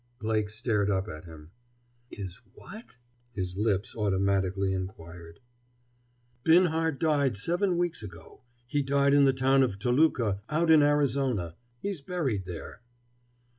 Blake stared up at him. "Is what?" his lips automatically inquired. "Binhart died seven weeks ago. He died in the town of Toluca, out in Arizona. He's buried there."